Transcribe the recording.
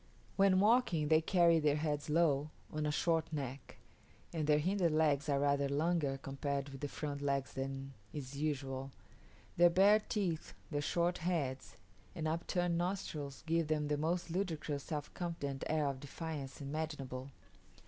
When walking they carry their heads low, on a short neck; and their hinder legs are rather longer compared with the front legs than is usual. Their bare teeth, their short heads, and upturned nostrils give them the most ludicrous self confident air of defiance imaginable.